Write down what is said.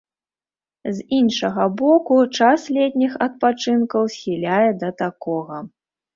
З іншага боку, час летніх адпачынкаў схіляе да такога.